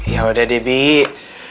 ya udah deh bik